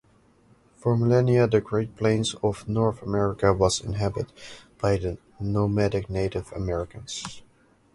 For millennia, the Great Plains of North America was inhabited by nomadic Native Americans.